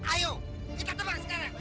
ayo kita tembak sekarang